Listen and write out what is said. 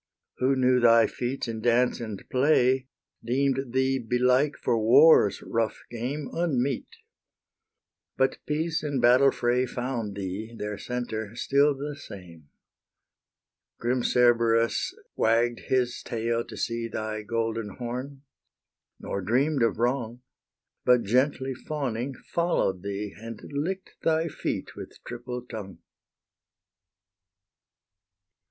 Who knew thy feats in dance and play Deem'd thee belike for war's rough game Unmeet: but peace and battle fray Found thee, their centre, still the same. Grim Cerberus wagg'd his tail to see Thy golden horn, nor dream'd of wrong, But gently fawning, follow'd thee, And lick'd thy feet with triple tongue. XX.